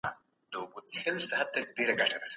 مغولو په سم ال کي خپل حضور پیاوړی کړ.